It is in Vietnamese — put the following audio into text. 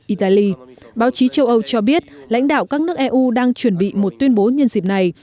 italy báo chí châu âu cho biết lãnh đạo các nước eu đang chuẩn bị một tuyên bố nhân dịp này